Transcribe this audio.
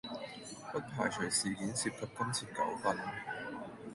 不排除事件涉及金錢糾紛